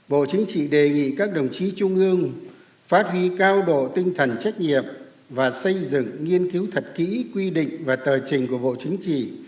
bộ chính trị đề nghị các đồng chí trung ương phát huy cao độ tinh thần trách nhiệm và xây dựng nghiên cứu thật kỹ quy định và tờ trình của bộ chính trị